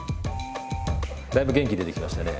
だいぶ元気出てきましたね。